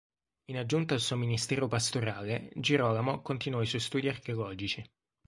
In aggiunta al suo ministero pastorale Girolamo continuò i suoi studi archeologici.